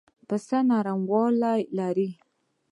پسه نرمې وړۍ لري.